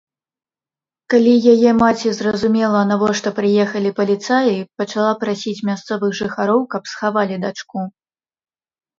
Калі яе маці зразумела, навошта прыехалі паліцаі, пачала прасіць мясцовых жыхароў, каб схавалі дачку.